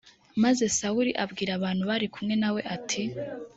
maze sawuli abwira abantu bari kumwe na we ati